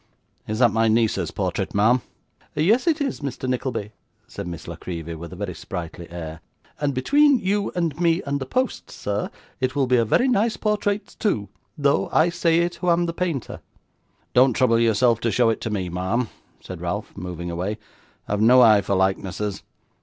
'Is that my niece's portrait, ma'am?' 'Yes it is, Mr. Nickleby,' said Miss La Creevy, with a very sprightly air, 'and between you and me and the post, sir, it will be a very nice portrait too, though I say it who am the painter.' 'Don't trouble yourself to show it to me, ma'am,' cried Ralph, moving away, 'I have no eye for likenesses.